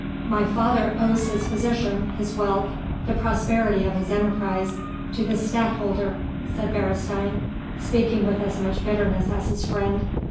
"My father owes his position, his wealth, the prosperity of his enterprise to the Stadtholder," said Beresteyn, speaking with as much bitterness as his friend.